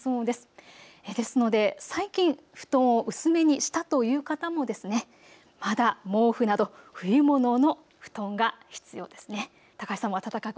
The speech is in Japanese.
ですので最近布団を薄めにしたという方もまだ毛布など冬物の布団が必要です。